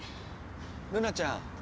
ルナちゃん！